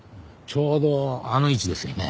ちょうどあの位置ですよね。